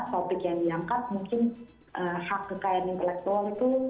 topik yang diangkat mungkin hak kekayaan intelektual itu